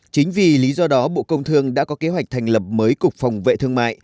chính vì lý do đó bộ công thương đã có kế hoạch thành lập mới cục phòng vệ thương mại